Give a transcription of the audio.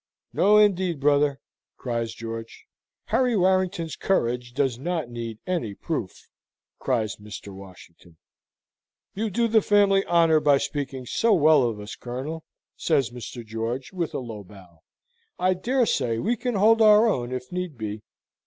"No, indeed, brother," cries George. "Harry Warrington's courage does not need any proof!" cries Mr. Washington. "You do the family honour by speaking so well of us, Colonel," says Mr. George, with a low bow. "I dare say we can hold our own, if need be."